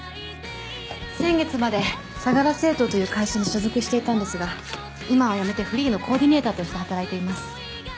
先月まで相良製陶という会社に所属していたんですが今は辞めてフリーのコーディネーターとして働いています。